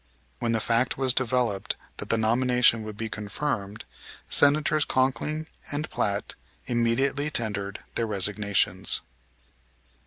When the fact was developed that the nomination would be confirmed, Senators Conkling and Platt immediately tendered their resignations.